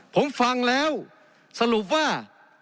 ผมฟังแล้วสรุปว่า